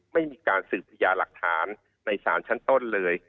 ไม่มีการสืบพยานหลักฐานในศาลชั้นต้นเลย